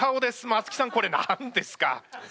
松木さんこれ何ですか？